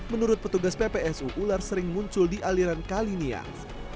menurut petugas ppsu ular sering muncul di aliran kalinias